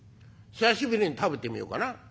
久しぶりに食べてみようかな？